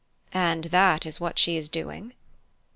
"And that is what she is doing?"